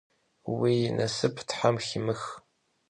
Vui nasıp them ximıx!